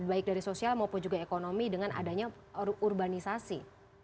baik dari sosial maupun juga ekonomi dengan adanya urbanisasi